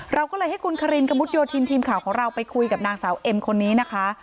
เราก็เลยให้คุณคารินกระมุดโยธินทีมข่าวของเราไปคุยกับนางสาวเอ็มคนนี้นะคะ